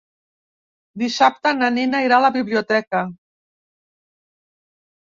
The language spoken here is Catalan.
Dissabte na Nina irà a la biblioteca.